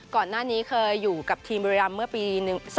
ก่อนหน้านี้เคยอยู่กับทีมบริรัมดิ์เมื่อปี๒๐๑๓๒๐๑๕